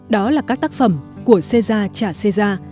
đó là các tác phẩm của seja trả seja